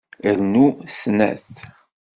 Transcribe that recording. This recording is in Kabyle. Rnu snat.